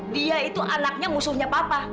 dia itu anaknya musuhnya papa